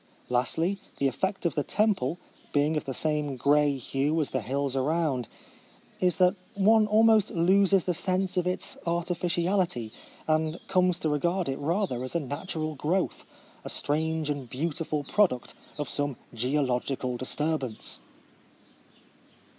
Lastly, the effect of the temple — being of the same grey hue as the hills around — is, that one almost loses the sense of its artifici ality, and comes to regard it rather as a natural growth, a strange and beautiful product of some geological disturbance.